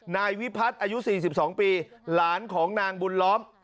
นายวิพัฒน์อายุ๔๒ปีหลานของนางบุญล้อม